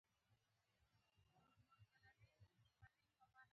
د عربي ملکونو په طبع برابره وه.